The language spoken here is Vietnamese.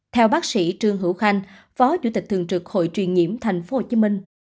theo bác sĩ trương hữu khanh phó chủ tịch thường trực hội truyền nhiễm tp hcm